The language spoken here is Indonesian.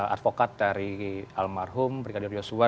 advokat dari almarhum brigadir yosua